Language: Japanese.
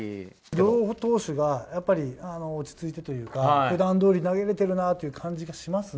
両投手がやっぱり落ち着いてというか、ふだんどおり投げれてるなぁという感じがしますね。